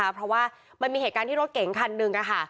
เพราะว่ามันมีเหตุการณ์ที่รถเก๋งคันหนึ่ง